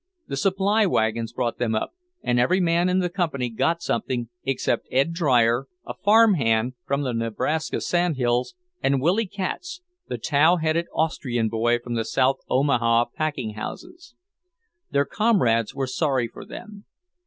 The supply wagons brought them up, and every man in the Company got something except Ed Drier, a farm hand from the Nebraska sand hills, and Willy Katz, the tow headed Austrian boy from the South Omaha packing houses. Their comrades were sorry for them.